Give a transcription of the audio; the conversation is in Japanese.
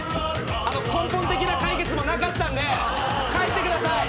根本的な解決もなかったんで帰ってください。